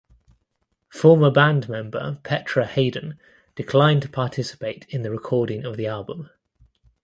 Former band member Petra Haden declined to participate in the recording of the album.